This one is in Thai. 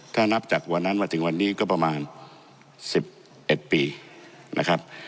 ถ้านับจากวันนั้นมาถึงวันนี้ก็ประมาณ๑๑ปีนะครับ